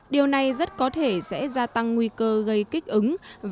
điều này rất có thể sẽ gia tăng nguy cơ gây kích ứng